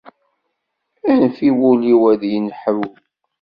Anef i wul-iw ad yenḥew.